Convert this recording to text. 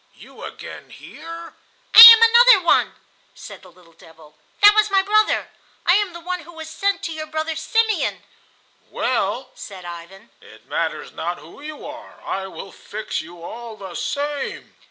You again here?" "I am another one!" said the little devil. "That was my brother. I am the one who was sent to your brother Simeon." "Well," said Ivan, "it matters not who you are. I will fix you all the same."